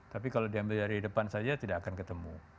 tapi kalau diambil dari depan saja tidak akan ketemu